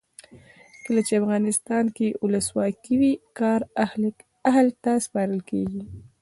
کله چې افغانستان کې ولسواکي وي کار اهل ته سپارل کیږي.